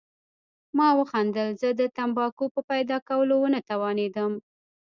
ما وخندل، زه د تمباکو په پیدا کولو ونه توانېدم.